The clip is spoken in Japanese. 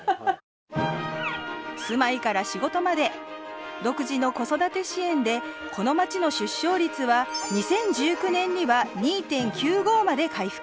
住まいから仕事まで独自の子育て支援でこの町の出生率は２０１９年には２．９５まで回復。